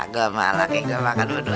gue malah kaya gue makan uduh